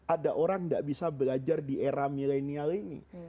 ada orang tidak bisa belajar di era milenial ini